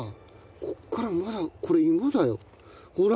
ここからまだこれ芋だよ。ほら！